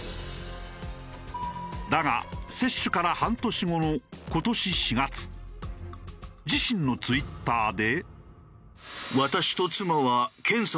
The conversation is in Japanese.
だが接種から半年後の今年４月自身のＴｗｉｔｔｅｒで。